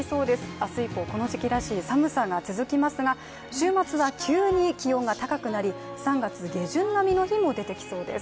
明日以降、この時期らしい寒さが続きますが、週末は急に気温が高くなり３月下旬並みの日も出てきそうです。